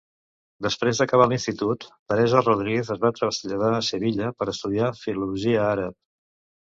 Després d'acabar l'Institut, Teresa Rodríguez es va traslladar a Sevilla per estudiar Filologia Àrab.